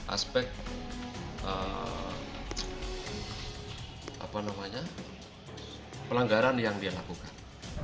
aspek pelanggaran yang dilakukan